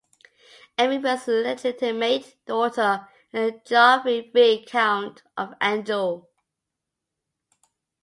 Emme was an illegitimate daughter of Geoffrey V, Count of Anjou.